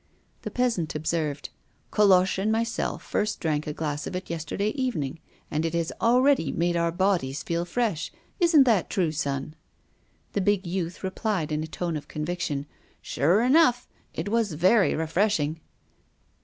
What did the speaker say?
The peasant observed: "Coloche and myself first drank a glass of it yesterday evening, and it has already made our bodies feel fresh. Isn't that true, son?" The big youth replied in a tone of conviction: "Sure enough, it was very refreshing."